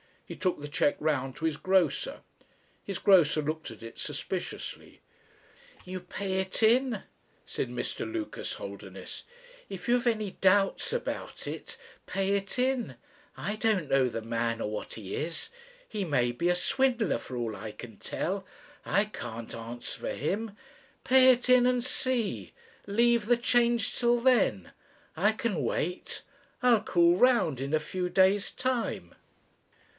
He took the cheque round to his grocer. His grocer looked at it suspiciously. "You pay it in," said Mr. Lucas Holderness, "if you've any doubts about it. Pay it in. I don't know the man or what he is. He may be a swindler for all I can tell. I can't answer for him. Pay it in and see. Leave the change till then. I can wait. I'll call round in a few days' time."